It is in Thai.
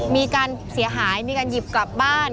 มีการเสียหายมีการหยิบกลับบ้าน